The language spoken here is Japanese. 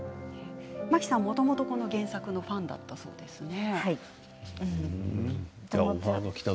真木さん、もともと原作のファンだったそうですね？